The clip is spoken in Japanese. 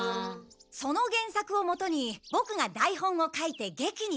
その原作をもとにボクが台本を書いて劇にする。